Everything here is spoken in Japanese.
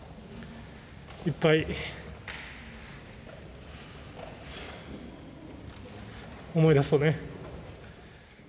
いっぱい思い出すとね。